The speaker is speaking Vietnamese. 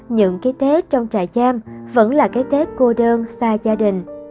những cái tết trong trại giam vẫn là cái tết cô đơn xa gia đình